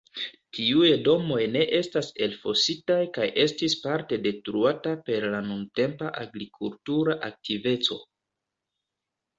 Tiuj domoj ne estas elfositaj kaj estis parte detruata per la nuntempa agrikultura aktiveco.